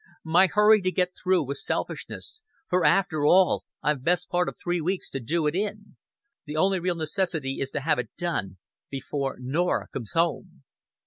My hurry to get it through was selfishness; for, after all, I've best part of three weeks to do it in. The on'y real necessity is to have it done before Norah comes home."